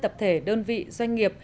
ba mươi tập thể đơn vị doanh nghiệp